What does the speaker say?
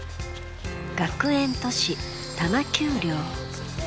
学園都市多摩丘陵。